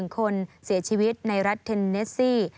๑คนเสียชีวิตในรัฐเทนเนสซี่